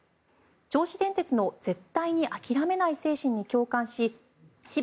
銚子電鉄の絶対に諦めない精神に共感し澁谷